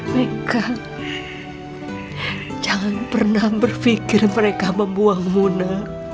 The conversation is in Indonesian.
maka jangan pernah berpikir mereka membuang muna